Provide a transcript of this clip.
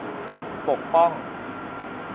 ปกป้อง